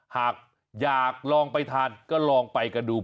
หากอยากลองไปทานก็ลองไปกันดู